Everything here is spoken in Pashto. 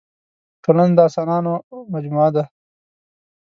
ټولنه د اسانانو مجموعه ده.